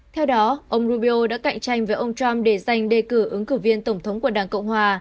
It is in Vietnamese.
theo đó ông rubio đã cạnh tranh với ông trump để giành đề cử ứng cử viên tổng thống của đảng cộng hòa